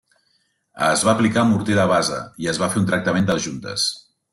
Es va aplicar morter de base i es va fer un tractament de les juntes.